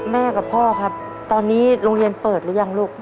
แม่กับพ่อครับตอนนี้โรงเรียนเปิดหรือยังลูก